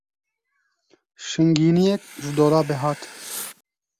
Şingîniyek ji dolabê hat.